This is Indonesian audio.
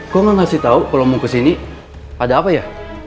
gue mau kasih tau kalau mau kesini ada apa ya